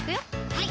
はい